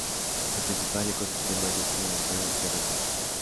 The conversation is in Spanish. El principal ecosistema es mixto de montaña y tierras altas.